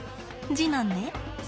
次男ね。